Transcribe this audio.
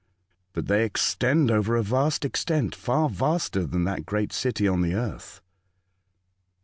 ''But they extend over a vast extent, far vaster than that great city on the earth."